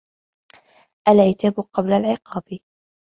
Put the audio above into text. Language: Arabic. العتاب قبل العقاب